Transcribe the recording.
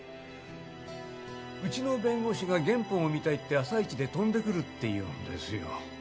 うちの弁護士が原本を見たいって朝一で飛んでくるっていうんですよ。